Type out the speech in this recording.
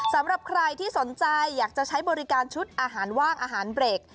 สำหรับใครที่สนใจอยากจะใช้บริการชุดอาหารว่างอาหารเบรก